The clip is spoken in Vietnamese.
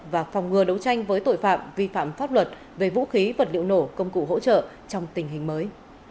và phòng ngừa đấu tranh với tội phạm vi phạm pháp luật về vũ khí vật liệu nổ công cụ hỗ trợ trong tình hình mới